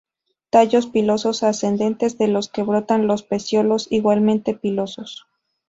Tallos pilosos ascendentes, de los que brotan los peciolos, igualmente pilosos.